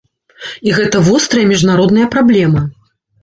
І гэта вострая міжнародная праблема.